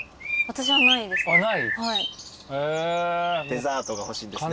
デザートが欲しいんですね。